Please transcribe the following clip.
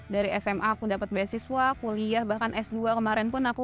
dari sma aku dapat beasiswa kuliah bahkan s dua kemarin pun aku